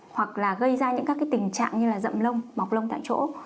hoặc gây ra những tình trạng như dậm lông bọc lông tại chỗ